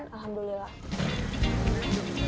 tapi alhamdulillah lancar dan memang akunya fokus menjalankan